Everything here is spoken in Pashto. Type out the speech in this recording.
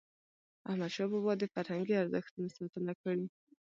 احمدشاه بابا د فرهنګي ارزښتونو ساتنه کړی.